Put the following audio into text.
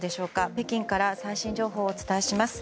北京から最新情報をお伝えします。